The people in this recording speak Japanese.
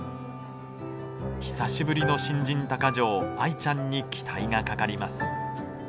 久しぶりの新人鷹匠アイちゃんに期待がかかります。